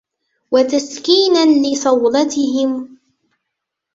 وَتَسْكِينًا لِصَوْلَتِهِمْ